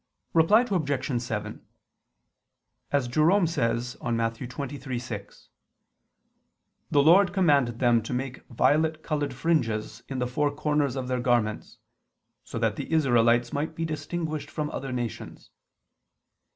Reply Obj. 7: As Jerome says on Matt. 23:6, "the Lord commanded them to make violet colored fringes in the four corners of their garments, so that the Israelites might be distinguished from other nations."